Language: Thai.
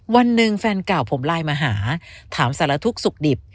วันหนึ่งแฟนเก่าผมไลน์มาหาถามสารทุกข์สุขดิบ